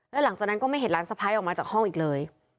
แล้วหลังจากนั้นก็ไม่เห็นหลานสะพ้ายออกมาจากห้องอีกเลย